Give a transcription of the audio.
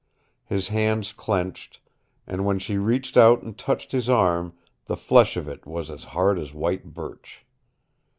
His hands clenched, and when she reached out and touched his arm the flesh of it was as hard as white birch.